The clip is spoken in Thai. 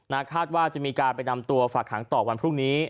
คาดว่าจะมีการไปนำตัวฝากหางต่อวันพรุ่งนี้